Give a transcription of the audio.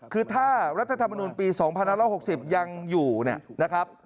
คือถ้ารัฐธรรมนุนปี๒๑๖๐ยังอยู่เนี่ยนะครับ